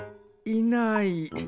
いない。